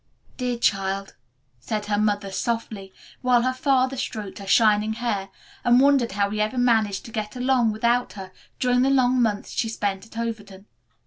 "Dear child," said her mother softly, while her father stroked her shining hair and wondered how he ever managed to get along without her during the long months she spent at Overton.